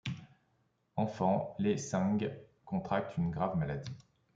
Enfant, Lê Sáng contracte une grave maladie.